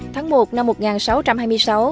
tháng một năm một nghìn sáu trăm hai mươi sáu